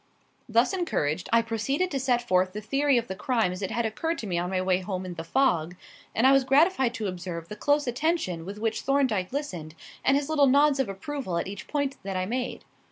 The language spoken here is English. Thus encouraged, I proceeded to set forth the theory of the crime as it had occurred to me on my way home in the fog, and I was gratified to observe the close attention with which Thorndyke listened, and his little nods of approval at each point that I made.